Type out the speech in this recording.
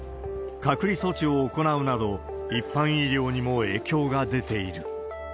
隔離措置を行うなど、一般医療にも影響が出ている。